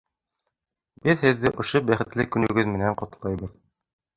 Беҙ һеҙҙе ошо бәхетле көнөгөҙ менән ҡотлайбыҙ.